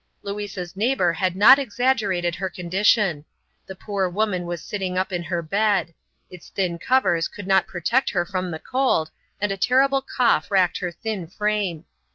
Louisa's neighbor had not exaggerated her condition. The poor woman was sitting up in her bed. Its thin covers could not protect her from the cold, and a terrible cough racked her thin frame.